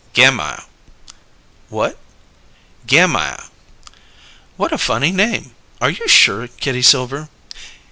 "Gammire." "What?" "Gammire." "What a funny name! Are you sure, Kitty Silver?"